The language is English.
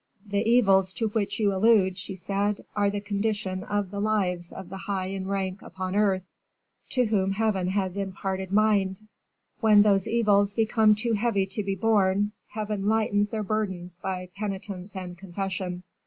"The evils to which you allude," she said, "are the condition of the lives of the high in rank upon earth, to whom Heaven has imparted mind. When those evils become too heavy to be borne, Heaven lightens their burdens by penitence and confession.